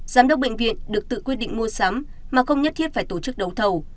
giám đốc bệnh viện được tự quyết định mua sắm mà không nhất thiết phải tổ chức đấu thầu